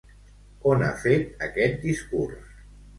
On ha fet aquest discurs?